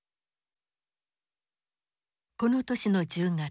この年の１０月。